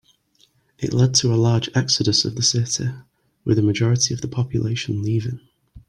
It led to a large exodus of the city, with a majority of the population leaving.